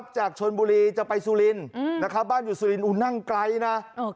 จากชนบุรีจะไปสุรินทร์นะครับบ้านอยู่สุรินนั่งไกลนะ